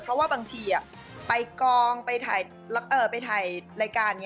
เพราะว่าบางทีไปกองไปถ่ายรายการ